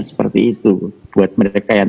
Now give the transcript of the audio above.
seperti itu buat mereka yang